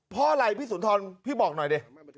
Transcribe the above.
เพราะอะไรพี่สุนทรพี่บอกหน่อยดิ